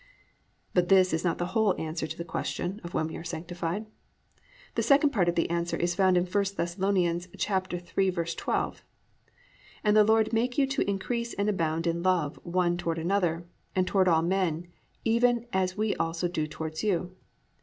2. But this is not the whole answer to the question of when we are sanctified. The second part of the answer is found in I Thess. 3:12, +"And the Lord make you to increase and abound in love one toward another, and toward all men, even as we also do towards you."